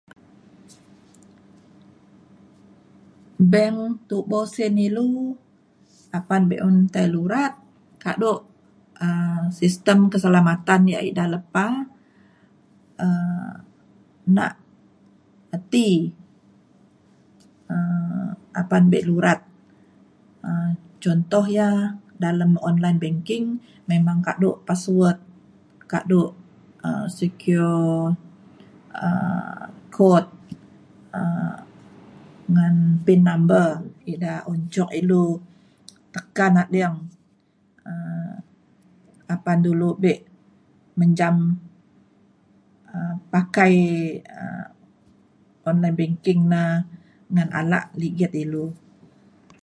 bank tubo sin ilu apan be’un tai lurat kado um sistem keselamatan ia’ ida lepa um nak peti um apan be lurat um contoh ia’ dalem online banking memang kado password kado um secure um code um ngan pin number ida un cuk ilu tekan ading um apa dulu be menjam um pakai um online banking na ngan alak ligit ilu